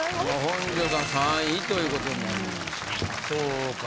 本上さん３位ということになりました。